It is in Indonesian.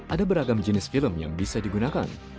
ada beragam jenis film yang bisa digunakan